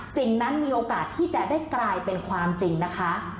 สิ่งนั้นมีโอกาสที่จะได้กลายเป็นความจริงนะคะ